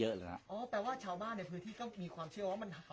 นี่พื้นที่เป็นไฟคารบ้านในพืธีก็มีความเชื่อว่าถ่าย